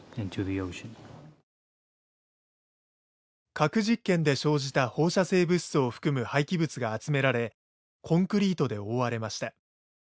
核実験で生じた放射性物質を含む廃棄物が集められコンクリートで覆われました。